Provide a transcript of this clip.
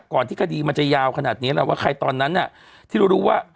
ที่คดีมันจะยาวขนาดนี้แล้วว่าใครตอนนั้นน่ะที่เรารู้ว่า